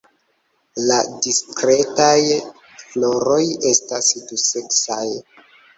La diskretaj floroj estas duseksaj.